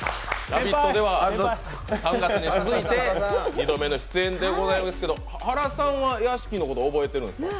「ラヴィット！」では３月に続いて２度目の出演でございますけど、ＨＡＲＡさんは屋敷のこと覚えているんですか？